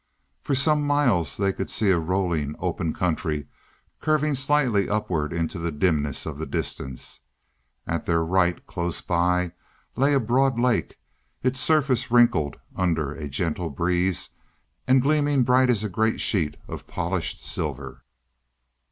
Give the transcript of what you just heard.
For some miles they could see a rolling, open country, curving slightly upward into the dimness of the distance. At their right, close by, lay a broad lake, its surface wrinkled under a gentle breeze and gleaming bright as a great sheet of polished silver.